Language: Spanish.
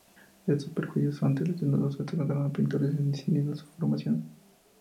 Estos prejuicios ante el desnudo se trasladaron a los pintores incidiendo en su formación.